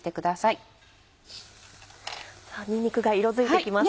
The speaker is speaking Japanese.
にんにくが色づいてきました。